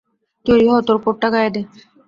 তৈরি হ, তোর কোট টা গায়ে দে।